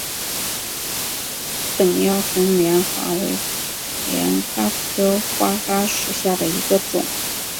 等腰横帘蛤为帘蛤科花蛤属下的一个种。